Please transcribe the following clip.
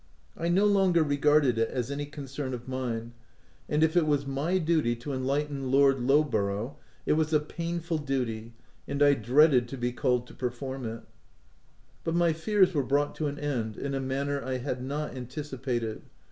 I nc longer regarded it as any concern of mine, and b 2 THE TENANT if it was my duty to enlighten Lord Lowbo rough, it was a painful duty, and I dreaded to be called to perform it. But my fears were brought to an end, in a manner I had not anticipated.